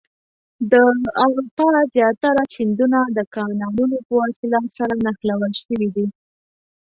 د اروپا زیاتره سیندونه د کانالونو په وسیله سره نښلول شوي دي.